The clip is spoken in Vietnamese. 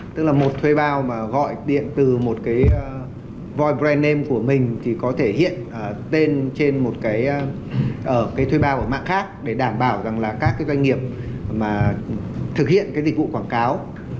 tức là một thuê bao mà gọi điện từ một cái void brand name của mình thì có thể hiện tên trên một cái thuê bao của mạng khác để đảm bảo rằng là các cái doanh nghiệp mà thực hiện cái dịch vụ quảng cáo